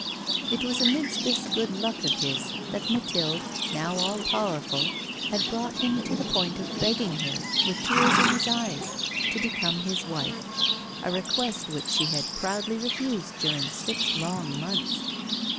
It was amidst this good luck of his that Mathilde, now all powerful, had brought him to the point of begging her, with tears in his eyes, to become his wife, a request which she had proudly refused during six long months.